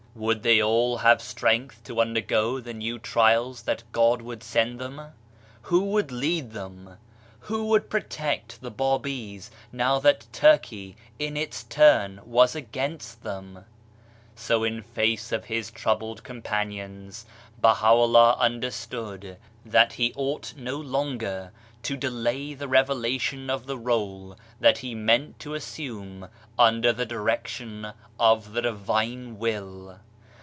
Would 68 BAHAISM they all have strength to undergo the new trials that God would send them ? Who would lead them ? Who would protect the Babis now that Turkey in its turn was against them ? So in face of his troubled companions, Baha'u'llah understood that he ought no longer to delay the revelation of the role that he meant to assume under the direction of the Divine Will.